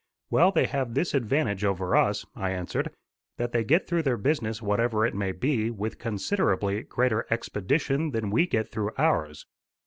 "Well, they have this advantage over us," I answered, "that they get through their business whatever it may be, with considerably greater expedition than we get through ours."